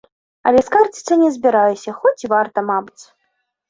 Але скардзіцца не збіраюся, хоць і варта, мабыць.